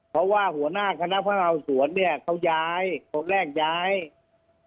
เพราะว่าหัวหน้าคณะพนักงานสวนเนี่ยเขาย้ายคนแรกย้าย